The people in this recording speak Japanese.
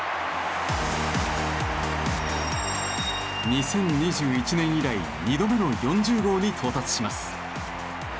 ２０２１年以来２度目の４０号に到達します。